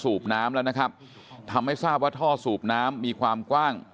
น้ำแล้วนะครับทำให้ทราบว่าท่อสูบน้ำมีความกว้าง